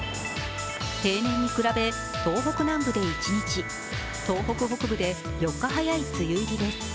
平年に比べ、東北南部で１日、東北北部で４日早い梅雨入りです。